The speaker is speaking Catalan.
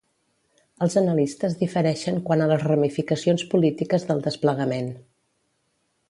Els analistes difereixen quant a les ramificacions polítiques del desplegament.